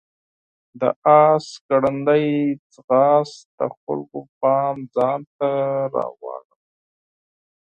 د آس ګړندی ځغاست د خلکو پام ځان ته راواړاوه.